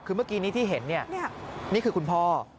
คือเมื่อกี้ที่เห็นเนี่ยนี่คือคุณพ่อ